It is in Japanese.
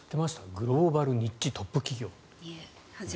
グローバルニッチトップ企業。